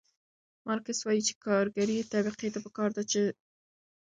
مارکس وایي چې کارګرې طبقې ته پکار ده چې خپل سیاسي شعور لوړ کړي.